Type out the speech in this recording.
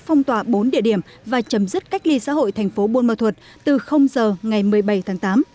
phong tỏa bốn địa điểm và chấm dứt cách ly xã hội thành phố buôn ma thuật từ giờ ngày một mươi bảy tháng tám